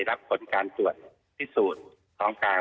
รับผลการตรวจที่สูดของการ